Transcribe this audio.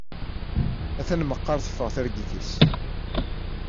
Atan meqqar teffeɣ targit-is.